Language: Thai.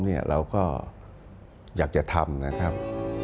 เราก็อยากจะทำนะครับ